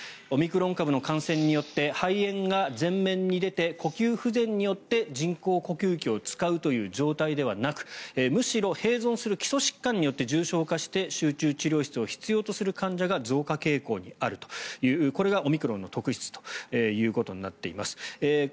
オミクロン株の感染によって肺炎が全面に出て呼吸不全によって人工呼吸器を使うという状態ではなくむしろ併存する基礎疾患によって重症化して集中治療室を必要とする患者が増加傾向にあるというこれがオミクロンの特質ということになっています。